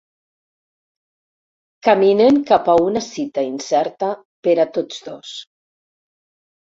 Caminen cap a una cita incerta per a tots dos.